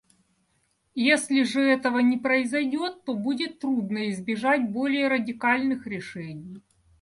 Если же этого не произойдет, то будет трудно избежать более радикальных решений.